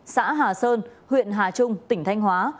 xã hà sơn huyện hà trung tỉnh thanh hóa